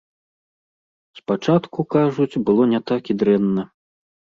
Спачатку, кажуць, было не так і дрэнна.